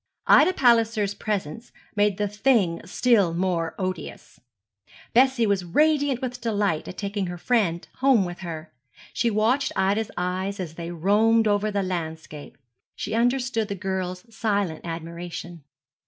Ida Palliser's presence made the thing still more odious. Bessie was radiant with delight at taking her friend home with her. She watched Ida's eyes as they roamed over the landscape. She understood the girl's silent admiration.